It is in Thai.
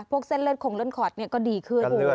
พวกเส้นเลือดของเลือดขอดก็ดีขึ้น